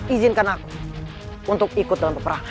izinkan aku untuk ikut dalam peperang